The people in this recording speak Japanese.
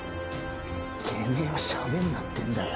てめぇはしゃべんなってんだよ。